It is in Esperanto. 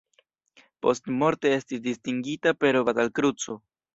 Postmorte estis distingita per Batal-Kruco.